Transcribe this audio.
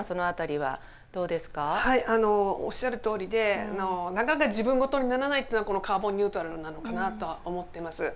はいおっしゃるとおりでなかなか自分事にならないというのがこのカーボンニュートラルなのかなとは思ってます。